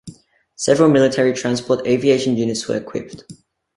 Several Military Transport Aviation units were equipped.